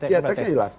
iya teksnya jelas